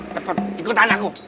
cepet ikut anakku